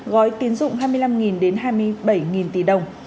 gói tiến dụng hai mươi năm đến hai mươi bảy tỷ đồng